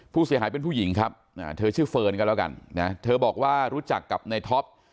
ผู้เสียหายเป็นผู้หญิงครับเธอชื่อเฟิร์นกันแล้วกันนะเธอบอกว่ารู้จักกับในท็อป